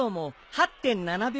８．７秒！？